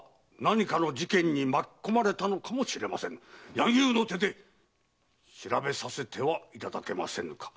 柳生の手で調べさせてはいただけませぬか？